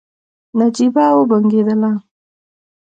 نجيبه وبنګېدله.